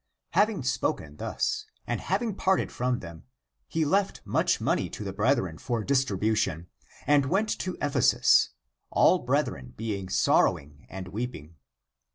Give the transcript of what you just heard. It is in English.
Having spoken thus, and having parted from them, he left much money to the brethren for distribution, and went to Ephesus, all brethren be ing sorrowing and weeping.